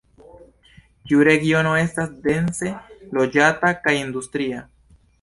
Tiu regiono estas dense loĝata kaj industria.